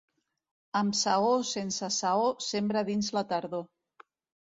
Amb saó o sense saó, sembra dins la tardor.